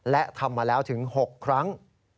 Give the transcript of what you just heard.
และทำมาแล้วถึง๖ครั้ง